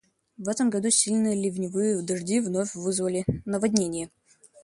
В этом году сильные ливневые дожди вновь вызвали наводнение.